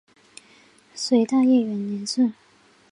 隋大业元年置。